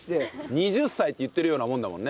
２０歳って言ってるようなもんだもんね。